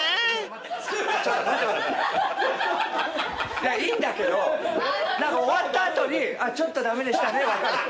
いやいいんだけど終わった後に「あっちょっと駄目でしたね」は分かる。